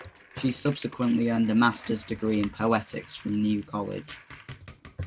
She subsequently earned a master's degree in Poetics from New College.